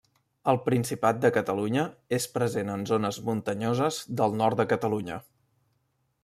Al Principat de Catalunya és present en zones muntanyoses del nord de Catalunya.